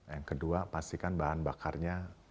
yang kedua pastikan bahan bakarnya